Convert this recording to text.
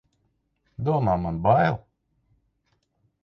Domā, man bail!